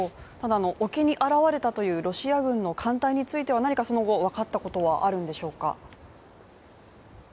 沖に現れたというロシア軍の艦隊については何かその後分かったことはあるんでしょうか。